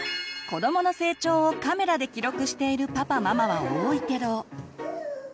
子どもの成長をカメラで記録しているパパママは多いけど。